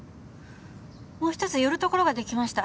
もう１つ寄るところが出来ました。